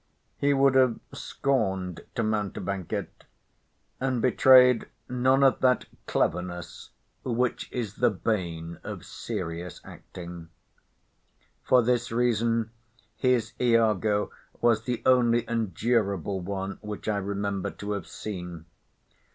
He would have scorned to mountebank it; and betrayed none of that cleverness which is the bane of serious acting. For this reason, his Iago was the only endurable one which I remember to have seen.